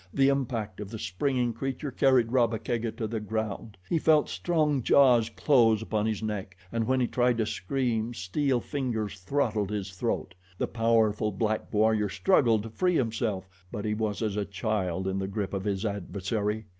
The impact of the springing creature carried Rabba Kega to the ground. He felt strong jaws close upon his neck, and when he tried to scream, steel fingers throttled his throat. The powerful black warrior struggled to free himself; but he was as a child in the grip of his adversary.